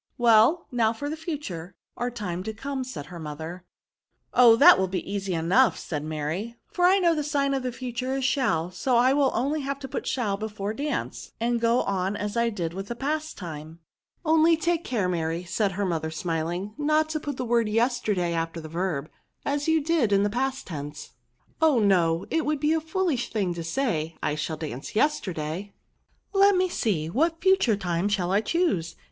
Well, now for the future, or time to come," said her mother. " Oh ! that will be easy enough," said VERBS. 3# Mary ;for I know the sign of the future is shall; so I have only to put shall before dance, and go on as I did with the past time." " Only take care, Mary, said her mother, smiling, " not to put the word * yesterday ' after the verb, as you did in the past tense." " Oh no ; it would be foolish to say, I shall dance yesterday. Let me see! what future time shall I choose